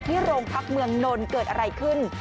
โรงพักเมืองนนท์เกิดอะไรขึ้น